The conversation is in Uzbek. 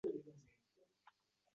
Rangim oqarib ketganini sezgan ayol